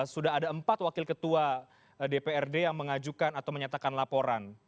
sudah ada empat wakil ketua dprd yang mengajukan atau menyatakan laporan